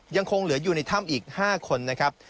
ยังคงเหลืออยู่ในถ้ำอีก๕คนนะครับ